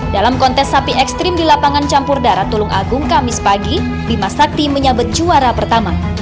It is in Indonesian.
dalam kontes sapi ekstrim di lapangan campur darat tulung agung kamis pagi bima sakti menyabet juara pertama